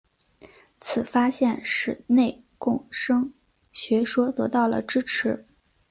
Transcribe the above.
此发现使内共生学说得到了支持。